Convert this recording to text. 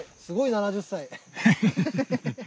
すごい７０歳。